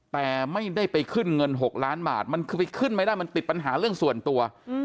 แต่ไม่ได้ไปขึ้นเงิน๖ล้านบาทมันคือไปขึ้นไม่ได้มันติดปัญหาเรื่องส่วนตัว